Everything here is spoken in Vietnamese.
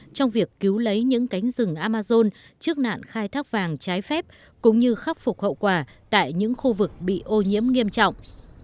trong việc cứu lấy những cánh rừng amazon trước nạn khai thác vàng trái phép cũng như khắc phục hậu quả tại những khu vực bị ô nhiễm nghiêm trọng